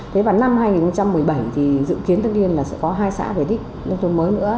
thế và năm hai nghìn một mươi bảy thì dự kiến tất nhiên là sẽ có hai xã về đích nông thôn mới nữa